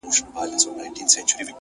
فکر مثبت وي نو لارې اسانه ښکاري,